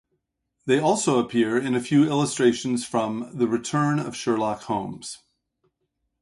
They also appear in a few illustrations from "The Return of Sherlock Holmes".